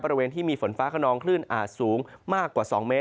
บริเวณที่มีฝนฟ้าขนองคลื่นอาจสูงมากกว่า๒เมตร